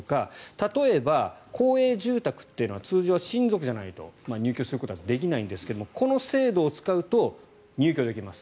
例えば公営住宅ってのは通常、親族じゃないと入居することができないんですがこの制度を使うと入居できます。